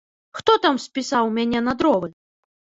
Хто там спісаў мяне на дровы?